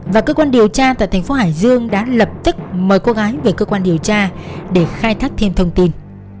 và cơ quan điều tra tại thành phố hải dương đã lập tức mời cô gái về cơ quan điều tra để khai thác thêm thông tin